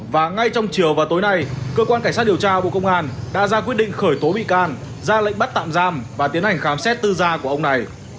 và ngay trong chiều và tối nay cơ quan cảnh sát điều tra bộ công an đã ra quyết định khởi tố bị can ra lệnh bắt tạm giam và tiến hành khám xét tư gia của ông này